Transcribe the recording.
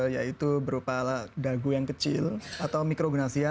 yaitu berupa dagu yang kecil atau mikrognasi ya